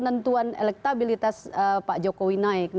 penentuan elektabilitas pak jokowi naik